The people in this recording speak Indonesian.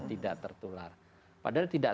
tidak tertular padahal tidak